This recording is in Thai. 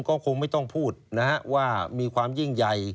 ก็คงไม่ต้องพูดนะฮะว่ามีความยิ่งใหญ่